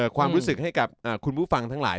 ความรู้สึกให้กับคุณผู้ฟังทั้งหลาย